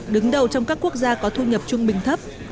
đứng đầu trong các quốc gia có thu nhập trung bình thấp